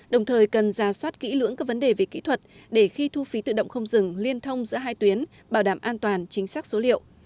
đồng thời cần ra soát kỹ lưỡng các vấn đề về kỹ thuật để khi thu phí tự động không dừng liên thông giữa hai tuyến bảo đảm an toàn chính xác số liệu